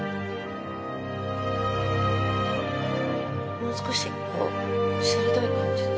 もう少しこう鋭い感じでした。